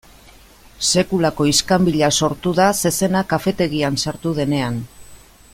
Sekulako iskanbila sortu da zezena kafetegian sartu denean.